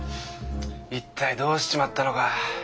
一体どうしちまったのか。